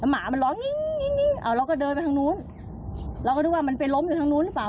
หมามันร้องนี่นี่นี่อ่ะเราก็เดินไปทางนู้นเราก็ดูว่ามันเป็นลมอยู่ทางนู้นหรือเปล่า